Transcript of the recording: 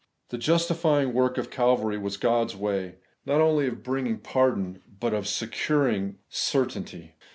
The justifying work of Calvary was God's way, not only of bringing par don, but of securing certainty.